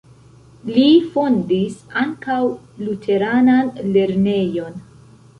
Li fondis ankaŭ luteranan lernejon.